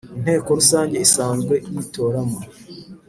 Inteko Rusange Isanzwe yitoramo